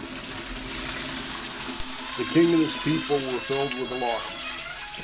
The king and his people were filled with alarm.